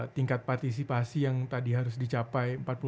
tingkat partisipasi yang tadi harus dicapai